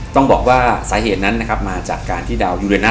ต้องบอกว่าสาเหตุนั้นนะครับมาจากการที่ดาวยูเรนัส